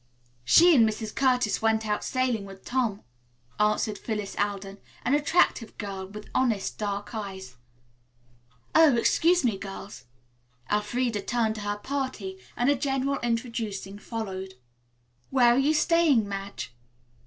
"She and Mrs. Curtis went out sailing with Tom," answered Phyllis Alden, an attractive girl with honest, dark eyes. "Oh, excuse me, girls." Elfreda turned to her party and a general introducing followed. "Where are you staying, Madge?"